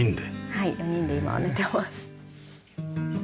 はい４人で今は寝てます。